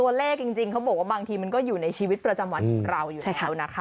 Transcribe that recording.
เลขจริงเขาบอกว่าบางทีมันก็อยู่ในชีวิตประจำวันของเราอยู่แล้วนะคะ